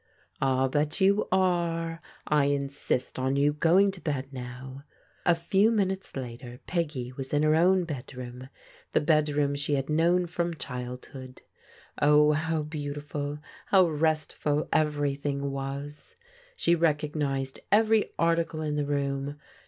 "Ah, but you are. I insist on you going to bed now." A few minutes later Peggy was in her own bedroom, the bedroom she had known from childhood. Oh, how beautiful, how restful everything was! She recognized every article in the room.